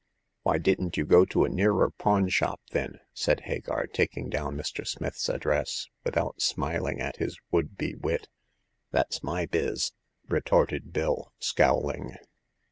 " Why didn't you go to a nearer pawn shop, then ?" said Hagar, taking down Mr. Smith's address, without smiling at his would be wit. " That's my biz !" retorted Bill, scowling.